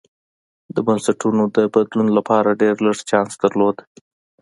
د بنسټونو د بدلون لپاره ډېر لږ چانس درلود.